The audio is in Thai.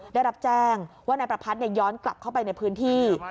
ได้รับแจ้งว่านายประพัทธย้อนกลับเข้าไปในพื้นที่